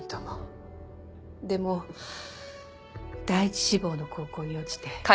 でも第一志望の高校に落ちて。